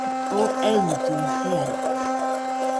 Oo ellɨ jearede